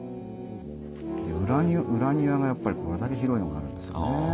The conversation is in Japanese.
裏庭がやっぱりこれだけ広いのがあるんですよね。